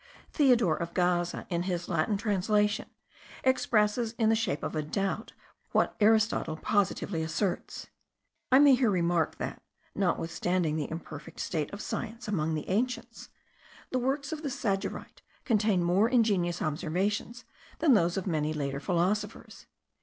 Theodore of Gaza, in his Latin translation, expresses in the shape of a doubt what Aristotle positively asserts. I may here remark, that, notwithstanding the imperfect state of science among the ancients, the works of the Stagirite contain more ingenious observations than those of many later philosophers.